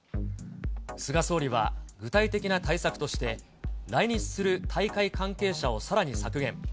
菅総理は、具体的な対策として、来日する大会関係者をさらに削減。